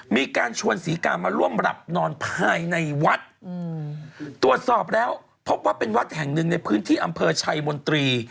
มีการชวนศรีกามาร่วมหลับนอนภายในวัดตรวจสอบแล้วพบว่าเป็นวัดแห่งหนึ่งในพื้นที่อำเภอชัยมนตรี